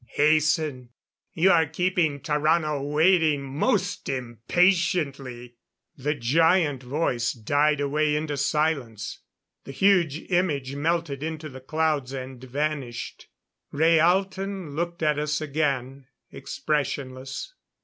Hasten! You are keeping Tarrano waiting most impatiently!"_ The giant voice died away into silence; the huge image melted into the clouds and vanished. Rhaalton looked at us again, expressionless.